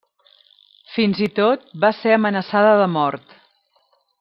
Fins i tot va ser amenaçada de mort.